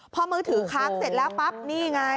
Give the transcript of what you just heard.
พอมือถือค้างเสร็จแล้วปั๊บนี่ไง